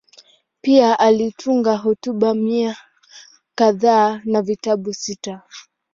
Pia alitunga hotuba mia kadhaa na vitabu sita.